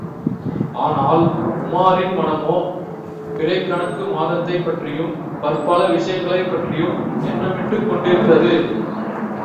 ஆனால் உமாரின் மனமோ, பிறைக் கணக்கு மாதத்தைப் பற்றியும், பற்பல விஷயங்களைப் பற்றியும் எண்ணமிட்டுக் கொண்டிருந்தது.